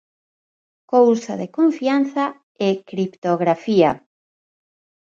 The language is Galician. Cousa de confianza e criptografía.